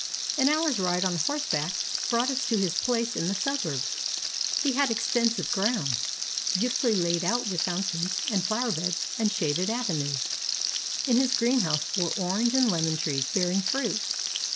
An hour's ride on horseback brought us to his place in the suburbs. He had extensive grounds, beautifully laid out with foun tains and flower beds and shaded avenues. In his green house were orange and lemon trees bearing fruit.